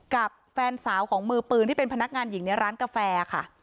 กับแฟนสาวของมือปืนที่เป็นพนักงานหญิงในร้านกาแฟค่ะ